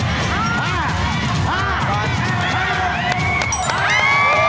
ตำแหน่งที่๑